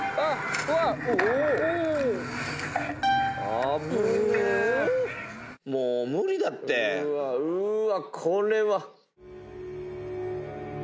危ねえもう無理だってうわっうわ